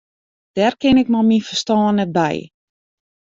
Dêr kin ik mei myn ferstân net by.